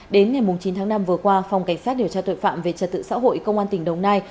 đến ngày chín tháng năm vừa qua phòng cảnh sát điều tra tội phạm về trật tự xã hội công an tỉnh đồng nai